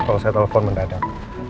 kalau saya telepon mendadak